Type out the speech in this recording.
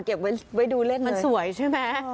เก็บไว้ดูเล่นเลยมันสวยใช่ไหม